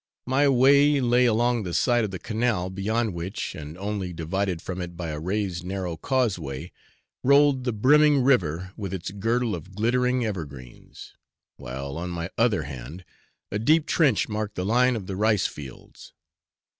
My way lay along the side of the canal, beyond which, and only divided from it by a raised narrow causeway, rolled the brimming river with its girdle of glittering evergreens, while on my other hand a deep trench marked the line of the rice fields.